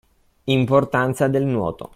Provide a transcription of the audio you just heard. Importanza del nuoto.